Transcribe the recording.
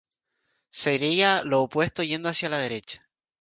Sería lo opuesto yendo hacia la derecha.